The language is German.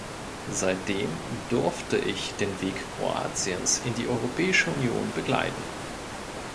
Seitdem durfte ich den Weg Kroatiens in die Europäische Union begleiten.